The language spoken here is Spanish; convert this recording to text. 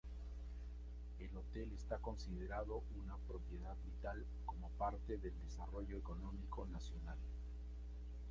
El hotel está considerado una propiedad vital como parte del desarrollo económico nacional.